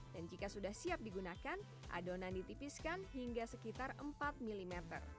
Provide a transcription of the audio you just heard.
dan jika sudah siap digunakan adonan ditipiskan hingga sekitar empat mm